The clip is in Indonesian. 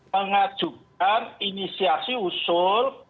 mengajukan inisiasi usul